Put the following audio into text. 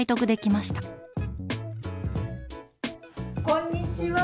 こんにちは。